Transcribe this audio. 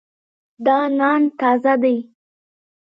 دا نان تازه دی.